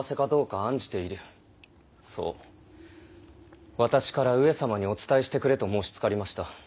そう私から上様にお伝えしてくれと申しつかりました。